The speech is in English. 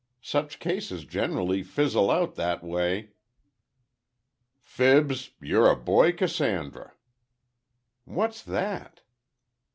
Such cases generally fizzle out that way." "Fibs, you're a Boy Cassandra." "What's that?"